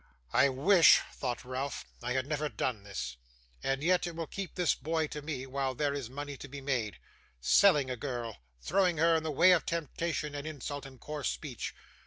'I wish,' thought Ralph, 'I had never done this. And yet it will keep this boy to me, while there is money to be made. Selling a girl throwing her in the way of temptation, and insult, and coarse speech.